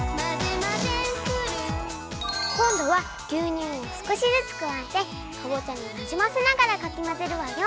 こんどは牛乳をすこしずつくわえてかぼちゃになじませながらかき混ぜるわよ。